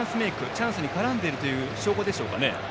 チャンスに絡んでいるという証拠でしょうかね。